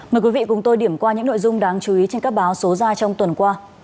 mời quý vị cùng tôi điểm qua những nội dung đáng chú ý trên các báo số ra trong tuần qua